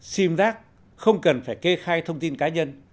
sim giác không cần phải kê khai thông tin cá nhân